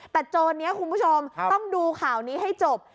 แต่โจรนี้คุณผู้ชมต้องดูข่าวนี้ให้จบ